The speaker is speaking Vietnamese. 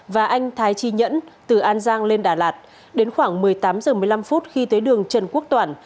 và anh thái chi nhẫn từ an giang lên đà lạt đến khoảng một mươi tám h một mươi năm phút khi tới đường trần quốc toản